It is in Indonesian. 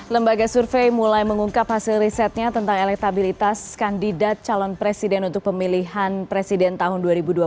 lembaga survei mulai mengungkap hasil risetnya tentang elektabilitas kandidat calon presiden untuk pemilihan presiden tahun dua ribu dua puluh